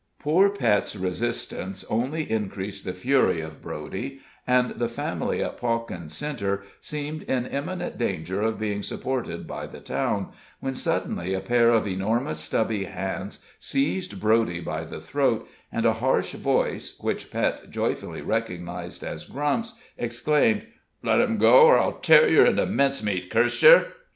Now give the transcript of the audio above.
Poor Pet's resistance only increased the fury of Broady, and the family at Pawkin Centre seemed in imminent danger of being supported by the town, when suddenly a pair of enormous stubby hands seized Broady by the throat, and a harsh voice, which Pet joyfully recognized as Grump's, exclaimed: "Let him go, or I'll tear yer into mince meat, curse yer!"